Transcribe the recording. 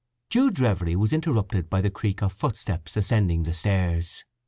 IV Jude's reverie was interrupted by the creak of footsteps ascending the stairs.